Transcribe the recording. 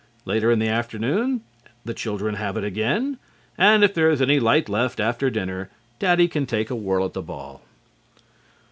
Later in the afternoon the children have it again, and if there is any light left after dinner Daddy can take a whirl at the ball.